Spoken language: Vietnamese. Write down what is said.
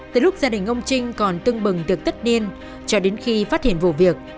từ lúc gia đình ông trinh còn tưng bừng tược tất điên cho đến khi phát hiện vụ việc